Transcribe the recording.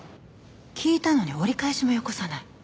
聞いたのに折り返しもよこさない？